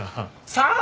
「さあ」